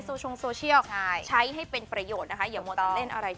โทษแหละภาษาเช้าบ้านนะ